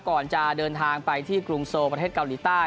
ก่อนจะเดินทางไปที่กรุงโซประเทศเกาหลีใต้